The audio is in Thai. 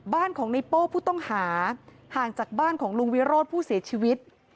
บ้านของในโป้ผู้ต้องหาห่างจากบ้านของลุงวิโรธผู้เสียชีวิต